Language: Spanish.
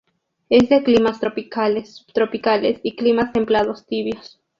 Es de climas tropicales, subtropicales y climas templados tibios.